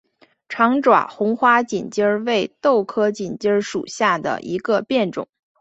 长爪红花锦鸡儿为豆科锦鸡儿属下的一个变种。